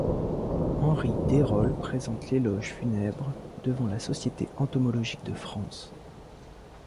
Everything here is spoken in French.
Henri Deyrolle présente l'éloge funèbre devant la Société entomologique de France.